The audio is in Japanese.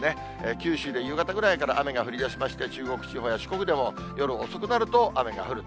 九州で夕方ぐらいから雨が降りだしまして、中国地方や四国でも、夜遅くなると雨が降る。